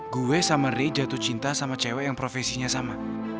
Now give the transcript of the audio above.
gue samari jatuh cinta sama cewek yang profesinya sama